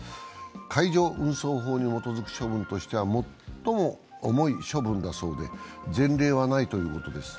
海上運送法に基づく処分としては最も重い処分だそうで、前例はないということです。